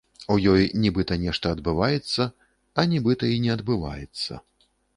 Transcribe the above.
У ёй нібыта нешта адбываецца, а нібыта і не адбываецца.